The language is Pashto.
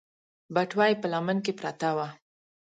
بټوه يې په لمن کې پرته وه.